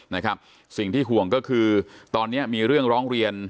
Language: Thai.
นะครับสิ่งที่ห่วงก็คือตอนนี้มีเรื่องร้องเรียน